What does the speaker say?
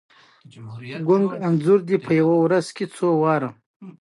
هلته بیا نور جمال ويني.